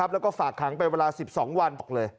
แล้วก็ฝากขังไปเวลา๑๒วัน